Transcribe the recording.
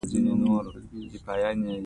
د امريکې جنگ چې شروع سو.